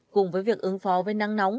cùng với việc ứng phó với nắng nóng